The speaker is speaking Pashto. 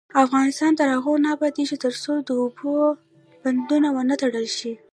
افغانستان تر هغو نه ابادیږي، ترڅو د اوبو بندونه ونه تړل شي.